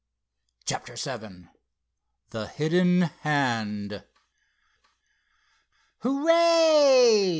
CHAPTER VII THE HIDDEN HAND "Hurray!"